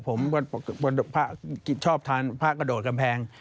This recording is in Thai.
ผมชอบทานผ้ากระโดดกำแพง